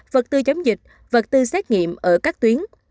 vật tư chống dịch vật tư xét nghiệm ở các tuyến